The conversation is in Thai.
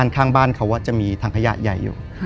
ข้างบ้านเขาจะมีถังขยะใหญ่อยู่